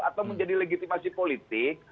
atau menjadi legitimasi politik